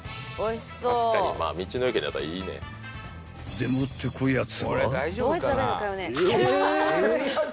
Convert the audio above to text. ［でもってこやつは］